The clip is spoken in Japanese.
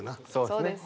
そうです。